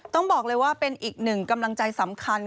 ต้องบอกเลยว่าเป็นอีกหนึ่งกำลังใจสำคัญ